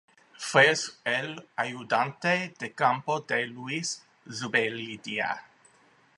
Fue es el Ayudante de campo de Luis Zubeldía.